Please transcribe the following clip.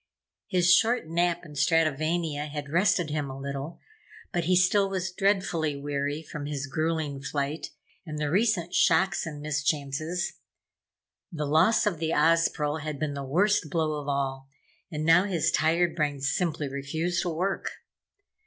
His short nap in Stratovania had rested him a little, but he still was dreadfully weary from his gruelling flight and the recent shocks and mischances. The loss of the Ozpril had been the worst blow of all and now his tired brain simply refused to work.